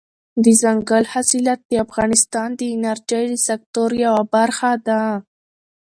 دځنګل حاصلات د افغانستان د انرژۍ د سکتور یوه برخه ده.